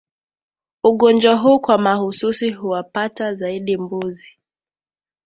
Ugonjwa huu kwa mahususi huwapata zaidi mbuzi